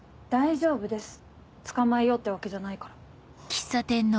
大丈夫です捕まえようってわけじゃないから。